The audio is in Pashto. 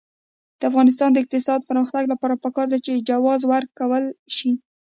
د افغانستان د اقتصادي پرمختګ لپاره پکار ده چې جواز ورکول شي.